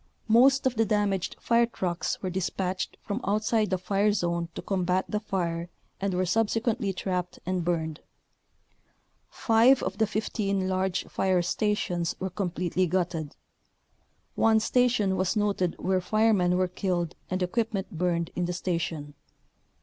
Most of the damaged fire trucks were dis patched from outside the fire zone to combat the fire and were subsequently trapped and burned. Five of the 15 large fire stations were completely gutted. One station was noted where firemen were killed and equipment burned in the station.